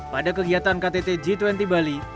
pada kegiatan ktt g dua puluh bali